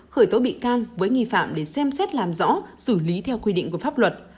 khởi tố bị can với nghi phạm để xem xét làm rõ xử lý theo quy định của pháp luật